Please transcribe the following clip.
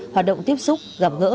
hoạt động tiếp xúc gặp gỡ